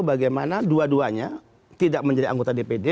bagaimana dua duanya tidak menjadi anggota dpd